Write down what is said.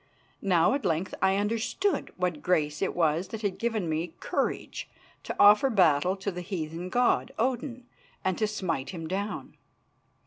Now at length I understood what grace it was that had given me courage to offer battle to the heathen god, Odin, and to smite him down.